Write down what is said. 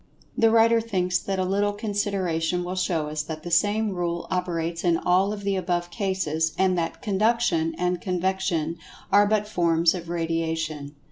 The writer thinks that a little consideration will show us that the same rule operates in all of the above cases, and that "Conduction" and "Convection" are but forms of Radiation.